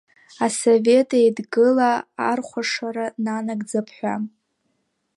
Асовет Еидгыла архәашара нанагӡап ҳәа.